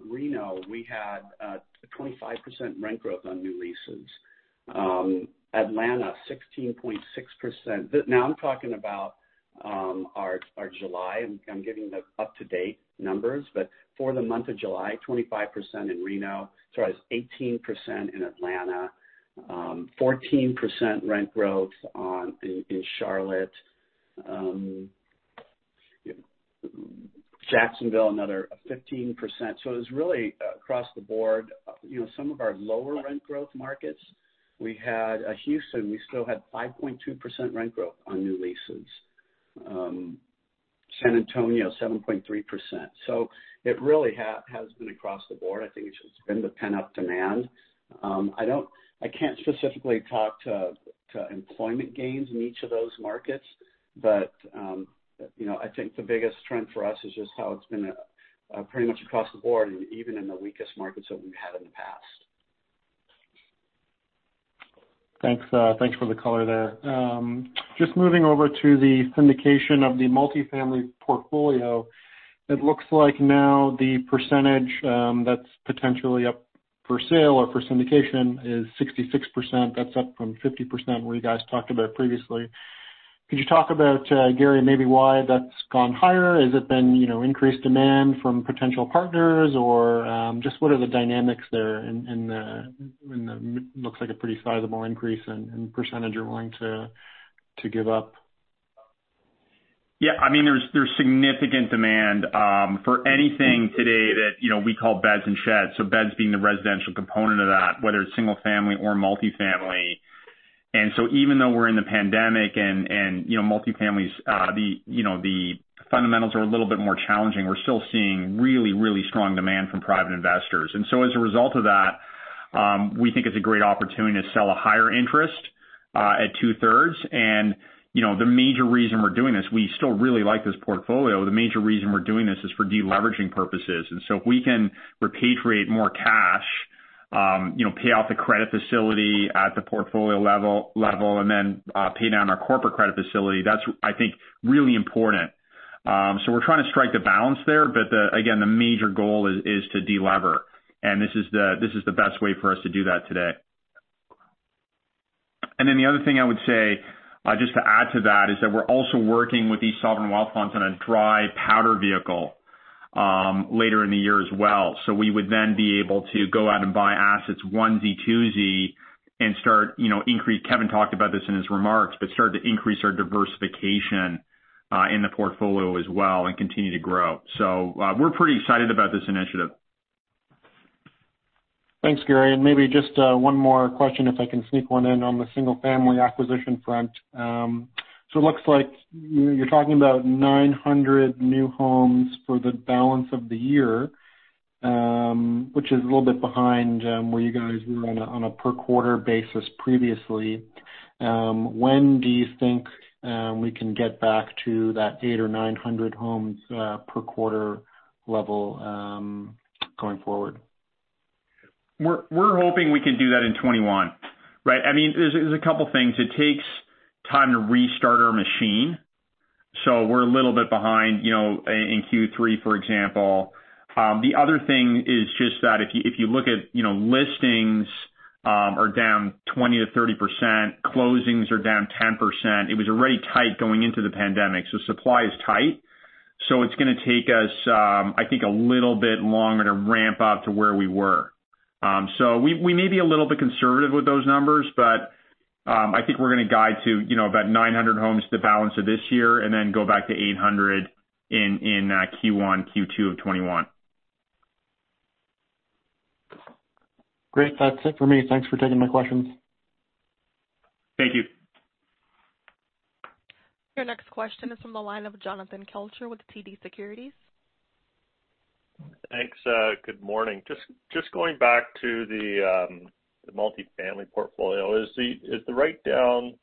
Reno, we had a 25% rent growth on new leases. Atlanta, 16.6%. I'm talking about our July. I'm giving the up-to-date numbers. For the month of July, 25% in Reno. Sorry, 18% in Atlanta. 14% rent growth in Charlotte. Jacksonville, another 15%. It was really across the board. Some of our lower rent growth markets, Houston, we still had 5.2% rent growth on new leases. San Antonio, 7.3%. It really has been across the board. I think it's just been the pent-up demand. I can't specifically talk to employment gains in each of those markets, but I think the biggest trend for us is just how it's been pretty much across the board, even in the weakest markets that we've had in the past. Thanks for the color there. Just moving over to the syndication of the multifamily portfolio, it looks like now the percentage that's potentially up for sale or for syndication is 66%. That's up from 50% where you guys talked about previously. Could you talk about, Gary, maybe why that's gone higher? Has it been increased demand from potential partners, or just what are the dynamics there? Looks like a pretty sizable increase in percentage you're willing to give up. Yeah. There's significant demand for anything today that we call beds and sheds. Beds being the residential component of that, whether it's single family or multifamily. Even though we're in the pandemic and multifamilies, the fundamentals are a little bit more challenging. We're still seeing really, really strong demand from private investors. As a result of that, we think it's a great opportunity to sell a higher interest at two thirds. The major reason we're doing this, we still really like this portfolio. The major reason we're doing this is for de-leveraging purposes. If we can repatriate more cash, pay off the credit facility at the portfolio level and then pay down our corporate credit facility, that's, I think, really important. We're trying to strike the balance there. Again, the major goal is to delever, this is the best way for us to do that today. The other thing I would say, just to add to that, is that we're also working with these sovereign wealth funds on a dry powder vehicle later in the year as well. We would then be able to go out and buy assets onesie, twosie. Kevin talked about this in his remarks, start to increase our diversification in the portfolio as well and continue to grow. We're pretty excited about this initiative. Thanks, Gary. Maybe just one more question if I can sneak one in on the single-family acquisition front. Looks like you're talking about 900 new homes for the balance of the year, which is a little bit behind where you guys were on a per quarter basis previously. When do you think we can get back to that eight or 900 homes per quarter level going forward? We're hoping we can do that in 2021, right? There's a couple things. It takes time to restart our machine. We're a little bit behind in Q3, for example. The other thing is just that if you look at listings are down 20%-30%, closings are down 10%. It was already tight going into the pandemic. Supply is tight. It's going to take us, I think, a little bit longer to ramp up to where we were. We may be a little bit conservative with those numbers. I think we're going to guide to about 900 homes the balance of this year and then go back to 800 in Q1, Q2 of 2021. Great. That's it for me. Thanks for taking my questions. Thank you. Your next question is from the line of Jonathan Kelcher with TD Securities. Thanks. Good morning. Just going back to the multi-family portfolio. Is the write-down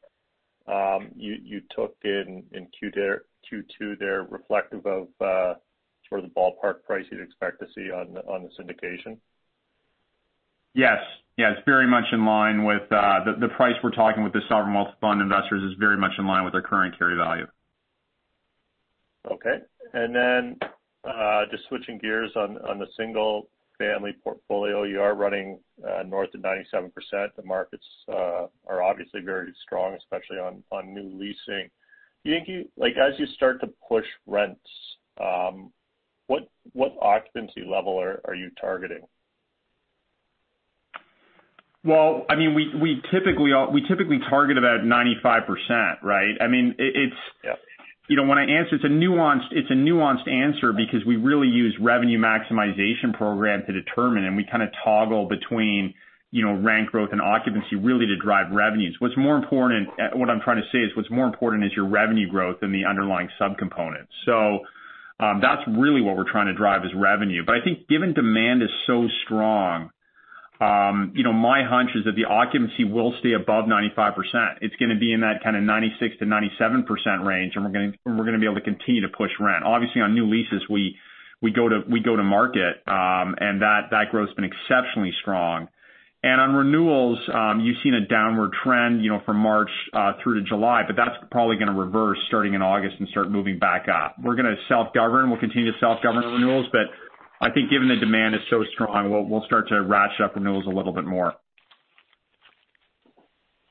you took in Q2 there reflective of sort of the ballpark price you'd expect to see on the syndication? Yes. The price we're talking with the sovereign wealth fund investors is very much in line with our current carry value. Okay. Just switching gears on the single-family portfolio, you are running north of 97%. The markets are obviously very strong, especially on new leasing. Do you think as you start to push rents, what occupancy level are you targeting? We typically target about 95%, right? Yeah. When I answer, it's a nuanced answer because we really use revenue maximization program to determine, and we kind of toggle between rent growth and occupancy really to drive revenues. What I'm trying to say is what's more important is your revenue growth than the underlying subcomponent. That's really what we're trying to drive is revenue. I think given demand is so strong, my hunch is that the occupancy will stay above 95%. It's going to be in that kind of 96%-97% range, and we're going to be able to continue to push rent. Obviously, on new leases, we go to market, and that growth's been exceptionally strong. On renewals, you've seen a downward trend from March through to July, but that's probably going to reverse starting in August and start moving back up. We're going to self-govern. We'll continue to self-govern renewals. I think given the demand is so strong, we'll start to ratchet up renewals a little bit more.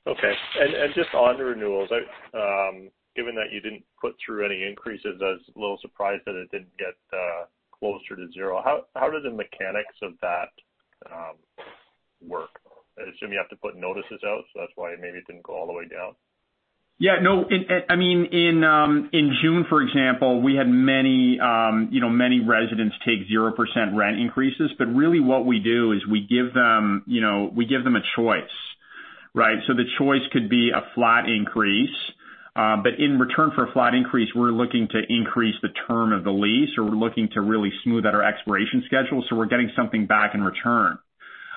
Okay. Just on the renewals, given that you didn't put through any increases, I was a little surprised that it didn't get closer to zero. How do the mechanics of that work? I assume you have to put notices out, so that's why maybe it didn't go all the way down. Yeah, no. In June, for example, we had many residents take 0% rent increases. Really what we do is we give them a choice. The choice could be a flat increase. In return for a flat increase, we're looking to increase the term of the lease, or we're looking to really smooth out our expiration schedule, we're getting something back in return.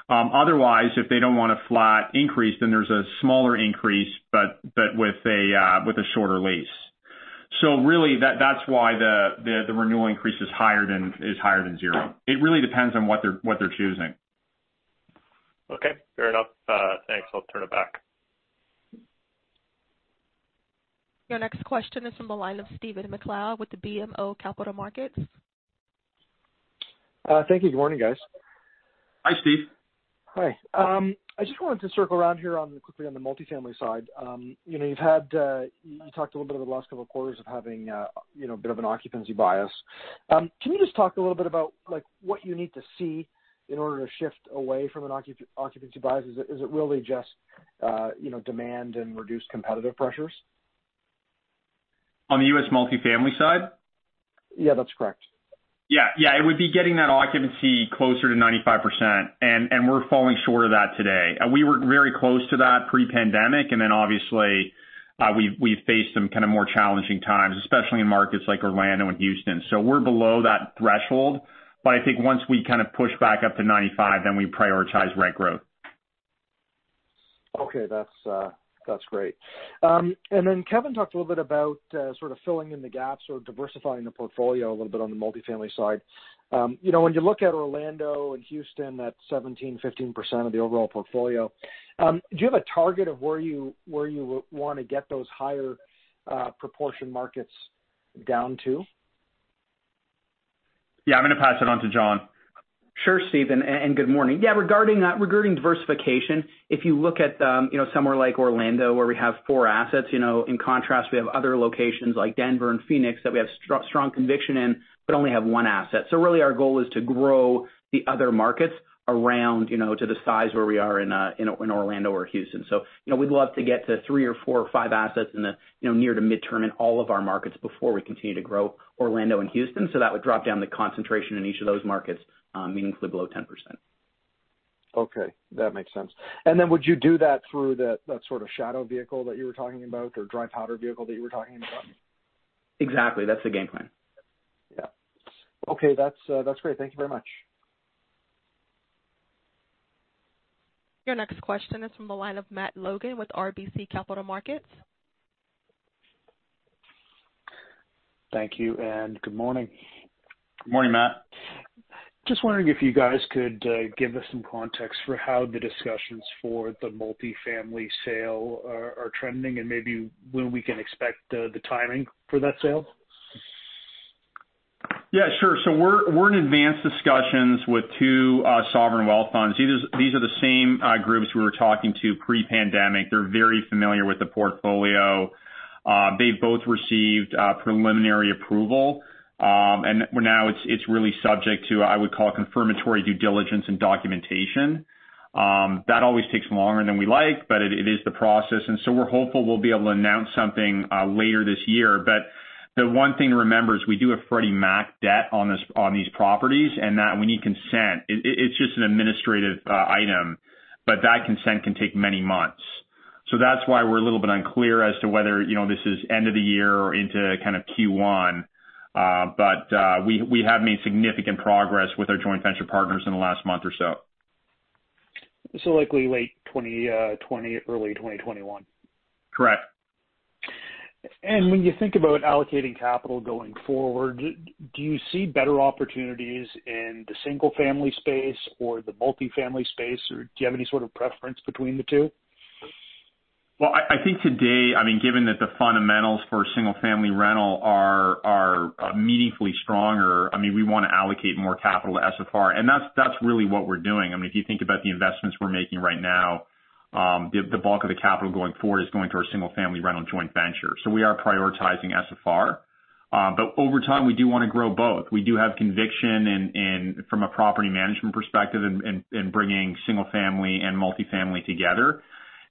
Otherwise, if they don't want a flat increase, there's a smaller increase but with a shorter lease. Really that's why the renewal increase is higher than zero. It really depends on what they're choosing. Okay. Fair enough. Thanks. I'll turn it back. Your next question is from the line of Stephen MacLeod with the BMO Capital Markets. Thank you. Good morning, guys. Hi, Steve. Hi. I just wanted to circle around here quickly on the multi-family side. You talked a little bit over the last couple of quarters of having a bit of an occupancy bias. Can you just talk a little bit about what you need to see in order to shift away from an occupancy bias? Is it really just demand and reduced competitive pressures? On the U.S. multifamily side? Yeah, that's correct. Yeah. It would be getting that occupancy closer to 95%, and we're falling short of that today. We were very close to that pre-pandemic, and then obviously, we've faced some kind of more challenging times, especially in markets like Orlando and Houston. We're below that threshold. I think once we kind of push back up to 95, then we prioritize rent growth. Okay. That's great. Kevin talked a little bit about sort of filling in the gaps or diversifying the portfolio a little bit on the multi-family side. When you look at Orlando and Houston, that's 17%, 15% of the overall portfolio. Do you have a target of where you want to get those higher proportion markets down to? Yeah, I'm going to pass it on to Jon. Sure, Stephen, good morning. Yeah, regarding diversification, if you look at somewhere like Orlando where we have four assets, in contrast, we have other locations like Denver and Phoenix that we have strong conviction in but only have one asset. Really our goal is to grow the other markets around to the size where we are in Orlando or Houston. We'd love to get to three or four or five assets in the near to midterm in all of our markets before we continue to grow Orlando and Houston. That would drop down the concentration in each of those markets meaningfully below 10%. Okay. That makes sense. Then would you do that through that sort of shadow vehicle that you were talking about, or dry powder vehicle that you were talking about? Exactly. That's the game plan. Yeah. Okay. That's great. Thank you very much. Your next question is from the line of Matt Logan with RBC Capital Markets. Thank you, and good morning. Good morning, Matt. Just wondering if you guys could give us some context for how the discussions for the multifamily sale are trending, and maybe when we can expect the timing for that sale? Yeah, sure. We're in advanced discussions with two sovereign wealth funds. These are the same groups we were talking to pre-pandemic. They're very familiar with the portfolio. They've both received preliminary approval. Now it's really subject to, I would call, confirmatory due diligence and documentation. That always takes longer than we like, but it is the process. We're hopeful we'll be able to announce something later this year. The one thing to remember is we do have Freddie Mac debt on these properties, and that we need consent. It's just an administrative item. That consent can take many months. That's why we're a little bit unclear as to whether this is end of the year or into kind of Q1. We have made significant progress with our joint venture partners in the last month or so. Likely late 2020, early 2021. Correct. When you think about allocating capital going forward, do you see better opportunities in the single-family space or the multi-family space, or do you have any sort of preference between the two? Well, I think today, given that the fundamentals for single-family rental are meaningfully stronger, we want to allocate more capital to SFR. That's really what we're doing. If you think about the investments we're making right now, the bulk of the capital going forward is going to our single-family rental joint venture. We are prioritizing SFR. Over time, we do want to grow both. We do have conviction from a property management perspective in bringing single family and multifamily together.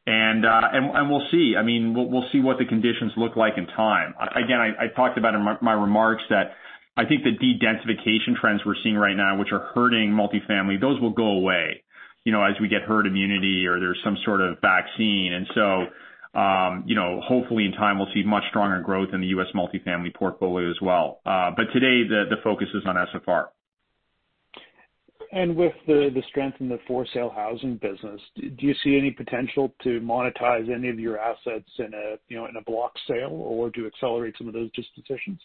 We'll see. We'll see what the conditions look like in time. Again, I talked about in my remarks that I think the dedensification trends we're seeing right now, which are hurting multifamily, those will go away as we get herd immunity or there's some sort of vaccine. Hopefully in time we'll see much stronger growth in the U.S. multifamily portfolio as well. Today, the focus is on SFR. With the strength in the for-sale housing business, do you see any potential to monetize any of your assets in a block sale or to accelerate some of those dispositions?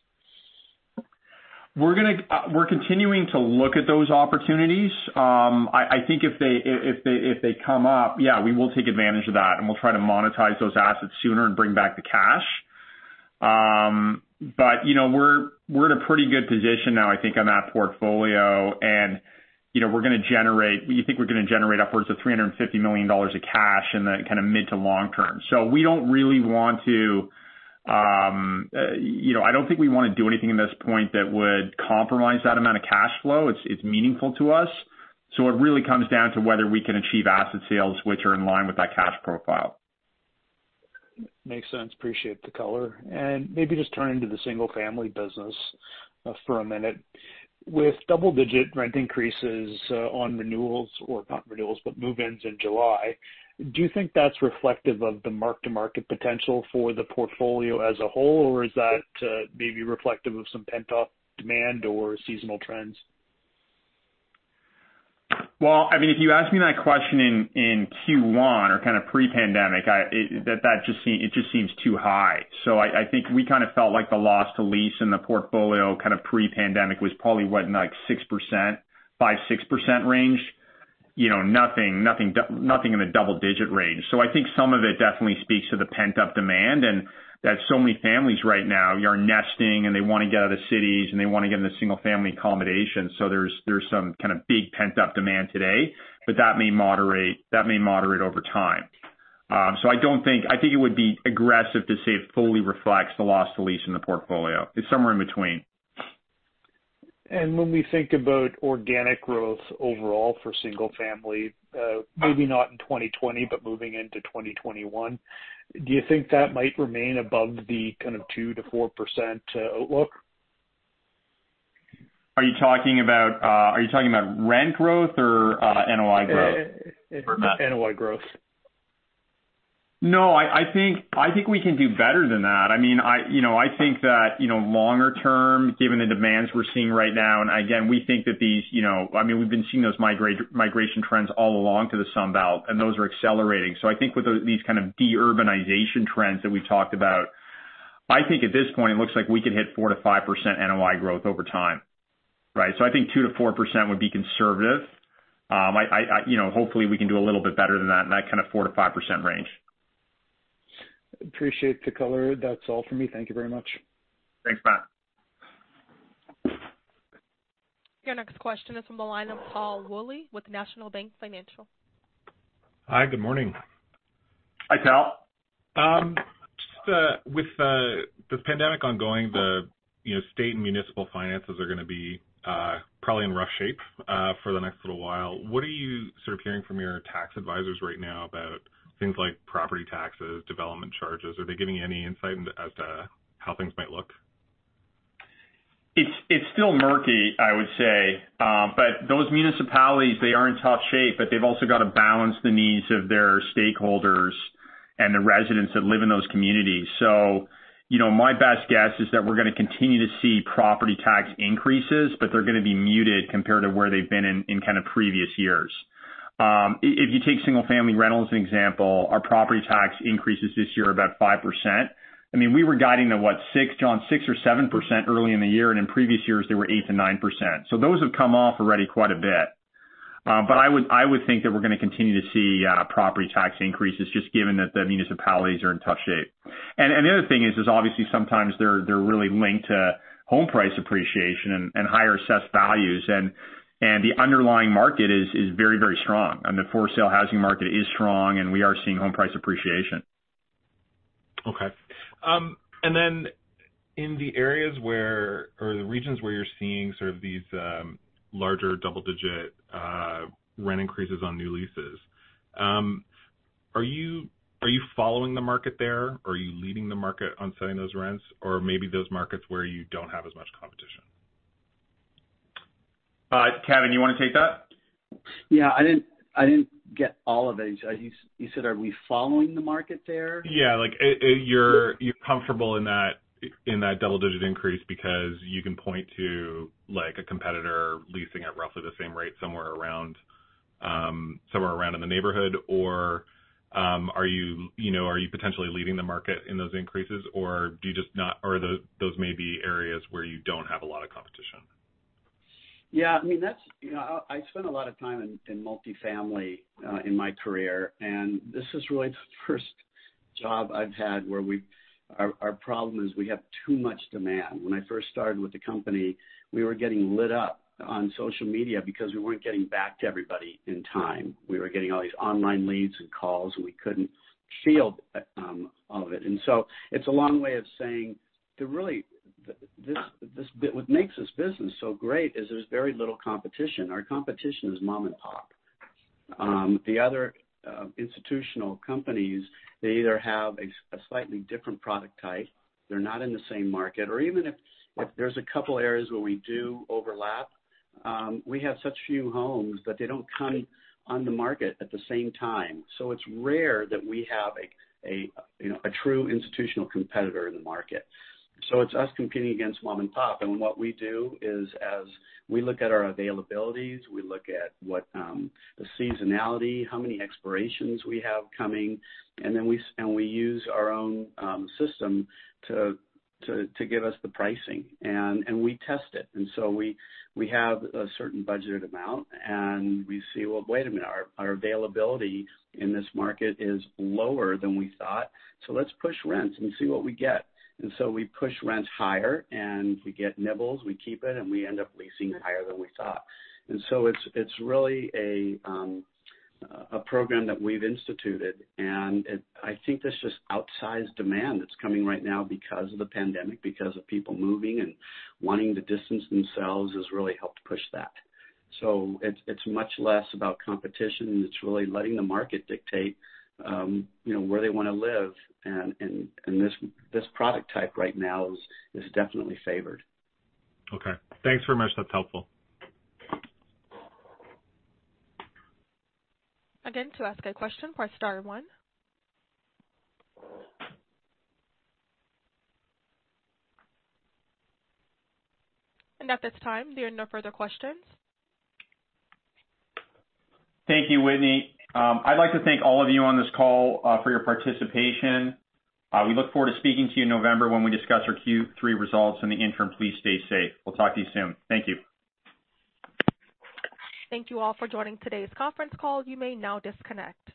We're continuing to look at those opportunities. I think if they come up, yeah, we will take advantage of that, and we'll try to monetize those assets sooner and bring back the cash. We're in a pretty good position now, I think, on that portfolio. We think we're going to generate upwards of $350 million of cash in the kind of mid to long term. I don't think we want to do anything in this point that would compromise that amount of cash flow. It's meaningful to us. It really comes down to whether we can achieve asset sales which are in line with that cash profile. Makes sense. Appreciate the color. Maybe just turning to the single-family business for a minute. With double-digit rent increases on renewals, or not renewals, but move-ins in July, do you think that's reflective of the mark-to-market potential for the portfolio as a whole, or is that maybe reflective of some pent-up demand or seasonal trends? Well, if you asked me that question in Q1 or kind of pre-pandemic, it just seems too high. I think we kind of felt like the loss to lease in the portfolio kind of pre-pandemic was probably, what, like 6%, 5%-6% range. Nothing in the double-digit range. I think some of it definitely speaks to the pent-up demand, and that so many families right now are nesting, and they want to get out of the cities, and they want to get into single-family accommodation. There's some kind of big pent-up demand today, but that may moderate over time. I think it would be aggressive to say it fully reflects the loss to lease in the portfolio. It's somewhere in between. When we think about organic growth overall for single family, maybe not in 2020, but moving into 2021, do you think that might remain above the kind of 2%-4% outlook? Are you talking about rent growth or NOI growth? NOI growth. No, I think we can do better than that. I think that longer term, given the demands we're seeing right now, we've been seeing those migration trends all along to the Sun Belt, and those are accelerating. I think with these kind of de-urbanization trends that we talked about, I think at this point, it looks like we could hit 4%-5% NOI growth over time. Right? I think 2%-4% would be conservative. Hopefully, we can do a little bit better than that, in that kind of 4%-5% range. Appreciate the color. That's all for me. Thank you very much. Thanks, Matt. Your next question is from the line of Tal Woolley with National Bank Financial. Hi, good morning. Hi, Tal. Just with this pandemic ongoing, the state and municipal finances are going to be probably in rough shape for the next little while. What are you sort of hearing from your tax advisors right now about things like property taxes, development charges? Are they giving you any insight as to how things might look? It's still murky, I would say. Those municipalities, they are in tough shape, but they've also got to balance the needs of their stakeholders and the residents that live in those communities. My best guess is that we're going to continue to see property tax increases, but they're going to be muted compared to where they've been in kind of previous years. If you take single family rental as an example, our property tax increases this year are about 5%. We were guiding to, what, 6%, Jon? 6% or 7% early in the year, and in previous years they were 8%-9%. Those have come off already quite a bit. I would think that we're going to continue to see property tax increases, just given that the municipalities are in tough shape. The other thing is obviously sometimes they're really linked to home price appreciation and higher assessed values, and the underlying market is very strong. The for-sale housing market is strong, and we are seeing home price appreciation. Okay. In the areas where, or the regions where you're seeing sort of these larger double-digit rent increases on new leases, are you following the market there? Are you leading the market on setting those rents? Maybe those markets where you don't have as much competition? Kevin, you want to take that? Yeah. I didn't get all of it. You said, are we following the market there? Yeah. You're comfortable in that double-digit increase because you can point to a competitor leasing at roughly the same rate somewhere around in the neighborhood, or are you potentially leading the market in those increases, or those may be areas where you don't have a lot of competition? Yeah. I spent a lot of time in multi-family in my career, this is really the first job I've had where our problem is we have too much demand. When I first started with the company, we were getting lit up on social media because we weren't getting back to everybody in time. We were getting all these online leads and calls, we couldn't field all of it. It's a long way of saying, what makes this business so great is there's very little competition. Our competition is mom and pop. The other institutional companies, they either have a slightly different product type, they're not in the same market, or even if there's a couple areas where we do overlap, we have such few homes that they don't come on the market at the same time. It's rare that we have a true institutional competitor in the market. It's us competing against mom and pop. What we do is, as we look at our availabilities, we look at what the seasonality, how many expirations we have coming, and we use our own system to give us the pricing, and we test it. We have a certain budgeted amount, and we see, well, wait a minute, our availability in this market is lower than we thought, so let's push rents and see what we get. We push rents higher, and if we get nibbles, we keep it, and we end up leasing higher than we thought. It's really a program that we've instituted, and I think there's just outsized demand that's coming right now because of the pandemic, because of people moving and wanting to distance themselves, has really helped push that. It's much less about competition, and it's really letting the market dictate where they want to live. This product type right now is definitely favored. Okay. Thanks very much. That's helpful. Again, to ask a question, press star one. At this time, there are no further questions. Thank you, Whitney. I'd like to thank all of you on this call for your participation. We look forward to speaking to you in November when we discuss our Q3 results. In the interim, please stay safe. We'll talk to you soon. Thank you. Thank you all for joining today's conference call. You may now disconnect.